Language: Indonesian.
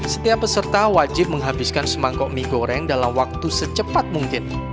setiap peserta wajib menghabiskan semangkok mie goreng dalam waktu secepat mungkin